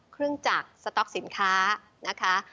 เครื่องจักรสต็อกสินค้า